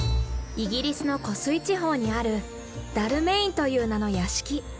イギリスの湖水地方にあるダルメインという名の屋敷。